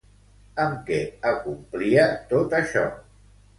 Amb què acomplia tot això?